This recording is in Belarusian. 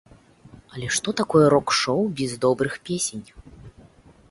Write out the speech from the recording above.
Але што такое рок-шоу без добрых песень?